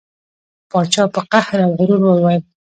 پاچا په قهر او غرور وویل.